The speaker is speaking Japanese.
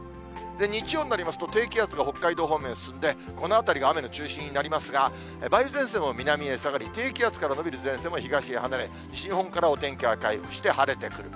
日曜になりますと、低気圧が北海道方面へ進んで、このあたりが雨の中心になりますが、梅雨前線も南へ下がり、低気圧から延びる前線も東へ離れ、西日本からお天気が回復して晴れてくる。